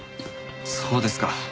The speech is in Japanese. そうですか。